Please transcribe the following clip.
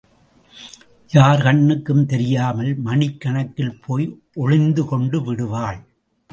யார் கண்ணுக்கும் தெரியாமல் மணிக்கணக்கில் போய் ஒளிந்துகொண்டு விடுவாள்.